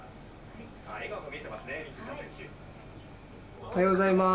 おはようございます。